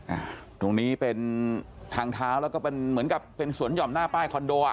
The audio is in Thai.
อ่าตรงนี้เป็นทางเท้าแล้วก็เป็นเหมือนกับเป็นสวนห่อมหน้าป้ายคอนโดอ่ะ